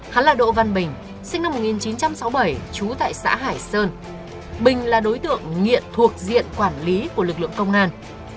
hắn là độ văn bình sinh năm một nghìn chín trăm sáu mươi bảy trú tại xã hải sơn bình là đối tượng nghiện thuộc diện quản lý của lực lượng công an